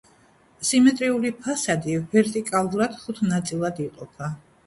სიმეტრიული ფასადი ვერტიკალურად ხუთ ნაწილად იყოფა.